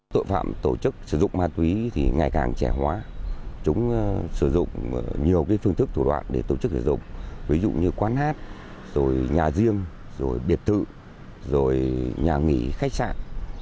tội phạm tổ chức sử dụng ma túy thì ngày càng trẻ hóa chúng sử dụng nhiều phương thức thủ đoạn để tổ chức sử dụng ví dụ như quán hát nhà riêng biệt tự nhà nghỉ khách sạn